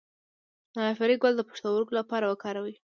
د جعفری ګل د پښتورګو لپاره وکاروئ